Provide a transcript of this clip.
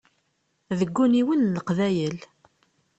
Deg uniwel n leqbayel.